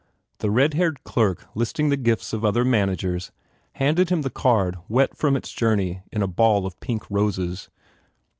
The red haired clerk listing the gifts of other managers handed him the card wet from its journey in a ball of pink roses.